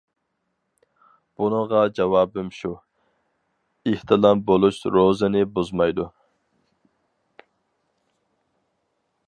بۇنىڭغا جاۋابىم شۇ : ئېھتىلام بولۇش روزىنى بۇزمايدۇ.